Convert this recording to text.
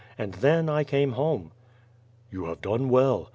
And then I came home." "You have done well.